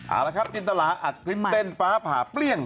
เอาละครับจินตราอัดคลิปมาเต้นฟ้าผ่าเปรี้ยง